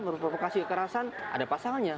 memprovokasi kekerasan ada pasangannya